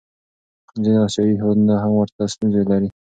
ځینې آسیایي هېوادونه هم ورته ستونزې لري.